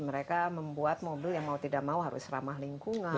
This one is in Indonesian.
mereka membuat mobil yang mau tidak mau harus ramah lingkungan